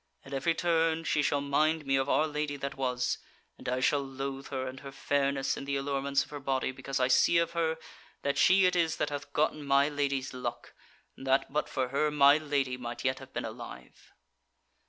At every turn she shall mind me of our Lady that was; and I shall loath her, and her fairness and the allurements of her body, because I see of her, that she it is that hath gotten my Lady's luck, and that but for her my Lady might yet have been alive."